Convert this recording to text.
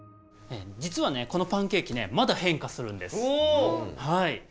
じつはねこのパンケーキねまだ変化するんです。